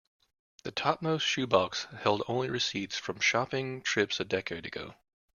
The topmost shoe box held only receipts from shopping trips a decade ago.